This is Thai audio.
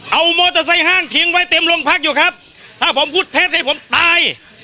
เอาโมทอไซฮ่างทิ้งไว้เต็มลงพักอยู่ครับถ้าผมพุทธเทศให้ผมตาย